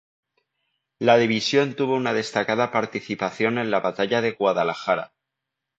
La división tuvo una destacada participación en la Batalla de Guadalajara.